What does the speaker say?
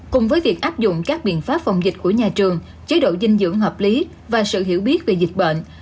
cùng với việc áp dụng các biện pháp phòng dịch của nhà trường chế độ dinh dưỡng hợp lý và sự hiểu biết về dịch bệnh